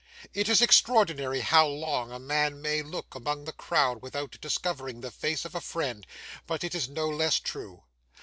It is extraordinary how long a man may look among the crowd without discovering the face of a friend, but it is no less true.